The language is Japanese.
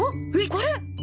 これ。